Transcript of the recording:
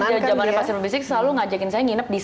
dia di zamannya pak siru bisik selalu ngajakin saya nginep di situ